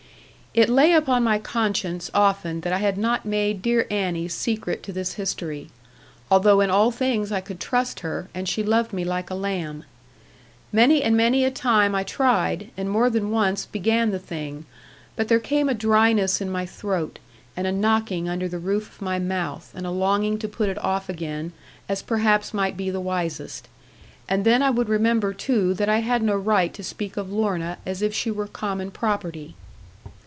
It lay upon my conscience often that I had not made dear Annie secret to this history; although in all things I could trust her, and she loved me like a lamb. Many and many a time I tried, and more than once began the thing; but there came a dryness in my throat, and a knocking under the roof of my mouth, and a longing to put it off again, as perhaps might be the wisest. And then I would remember too that I had no right to speak of Lorna as if she were common property.